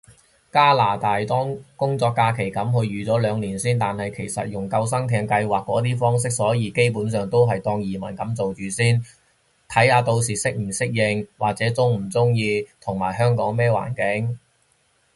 加拿大，當工作假期噉去，預住兩年先，但係其實係用救生艇計劃嗰啲方式，所以基本上都係當移民噉做住先，睇下到時適唔適應，或者中唔中意，同埋香港咩環境